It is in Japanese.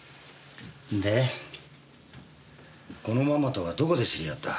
でこのママとはどこで知り合った？